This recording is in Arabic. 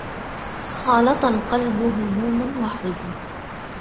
خالط القلب هموم وحزن